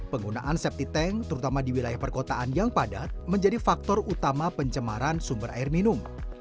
penggunaan septic tank terutama di wilayah perkotaan yang padat menjadi faktor utama pencemaran sumber air minum